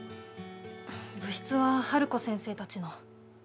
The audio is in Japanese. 部室は治子先生たちの。